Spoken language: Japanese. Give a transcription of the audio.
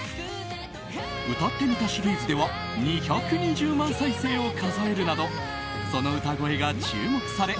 歌ってみたシリーズでは２２０万再生を数えるなどその歌声が注目され